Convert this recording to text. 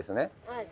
はい